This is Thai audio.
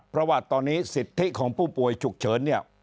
เพราะว่าตอนนี้สิทธิของผู้ป่วยฉุกเฉินเนี่ย